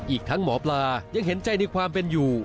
อีกทั้งหมอปลายังเห็นใจในความเป็นอยู่